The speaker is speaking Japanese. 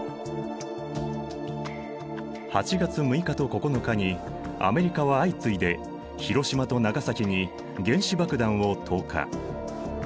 ８月６日と９日にアメリカは相次いで広島と長崎に原子爆弾を投下。